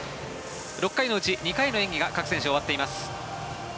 ６回のうち２回の演技が各選手、終わっています。